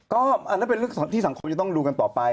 ก็อันนั้นเป็นเรื่องที่สังคมจะต้องดูกันต่อไป